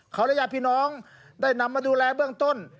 เขาและญาติพี่น้องได้นำมาดูแลเบื้องต้น